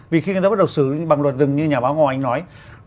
vì khi người ta bắt đầu xử bằng luật rừng như nhà báo ngô anh nói